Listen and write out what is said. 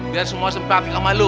biar semua sempatik sama lu